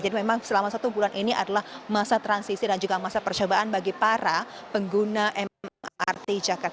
tumpulan ini adalah masa transisi dan juga masa percobaan bagi para pengguna mrt jakarta